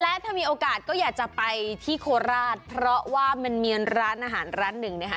และถ้ามีโอกาสก็อยากจะไปที่โคราชเพราะว่ามันมีร้านอาหารร้านหนึ่งนะคะ